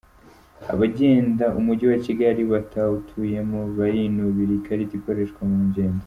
Abagenda umujyi wa Kigali batawutuyemo barinubira ikarita ikoreshwa mu ngendo .